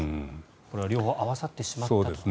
これは両方合わさってしまったと。